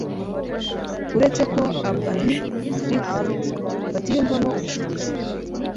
uretse ko abany-Afrika batiyumvamo ubushobozi